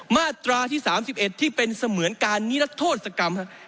มาตราที่๓๑ที่เป็นเสมือนการนิรัติโทษกรรม